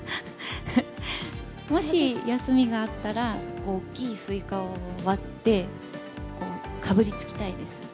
もし、休みがあったら大きいスイカを割って、かぶりつきたいです。